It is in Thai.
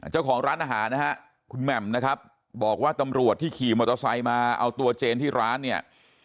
เจ้าของร้านอาหารนะฮะคุณแหม่มนะครับบอกว่าตำรวจที่ขี่มอเตอร์ไซค์มาเอาตัวเจนที่ร้านเนี่ย